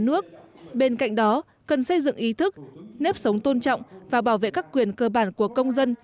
nước bên cạnh đó cần xây dựng ý thức nếp sống tôn trọng và bảo vệ các quyền cơ bản của công dân